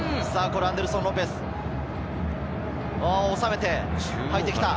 アンデルソン・ロペス、収めて入ってきた。